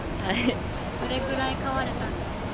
どれくらい買われたんですか？